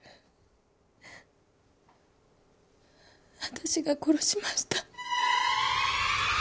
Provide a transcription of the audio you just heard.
私が殺しました。